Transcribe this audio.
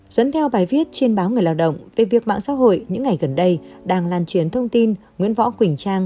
dẫn theo bài viết trên báo người lao động về việc mạng xã hội những ngày gần đây đang lan truyền thông tin nguyễn võ quỳnh trang